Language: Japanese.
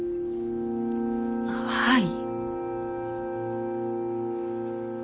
はい。